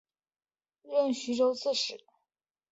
任徐州刺史。